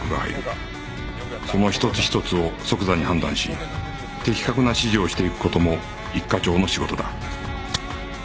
その１つ１つを即座に判断し的確な指示をしていく事も一課長の仕事だ